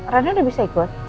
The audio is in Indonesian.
rena udah bisa ikut